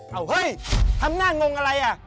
เฮ้ยทำหน้างงอะไรอ่ะ